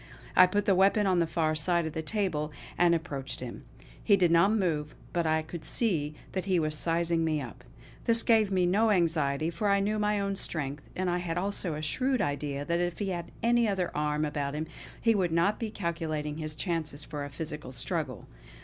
I put the weapon on the far side of the table, and approached him. He did not move, but I could see that he was sizing me up. This gave me no anxiety, for I knew my own strength; and I had also a shrewd idea that if he had any other arm about him he would not be calculating his chances for a physical struggle.